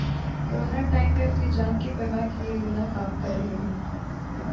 Corona time میں اپنی جان کی پرواہ کیے بنا کام کر رہے ہیں۔